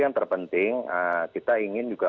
yang terpenting kita ingin juga